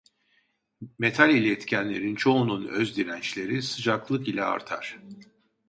Metal iletkenlerin çoğunun özdirençleri sıcaklık ile artar.